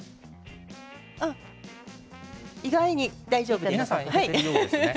意外に大丈夫ですね。